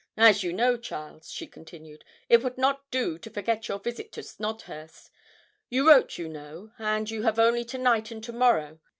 'And you know, Charles,' she continued, 'it would not do to forget your visit to Snodhurst; you wrote, you know, and you have only to night and to morrow.